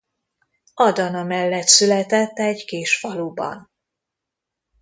Adana mellett született egy kis faluban.